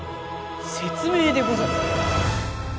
せつ明でござる！